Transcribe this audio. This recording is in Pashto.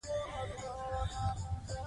پښتو ژبه زموږ په هڅو ابادیږي.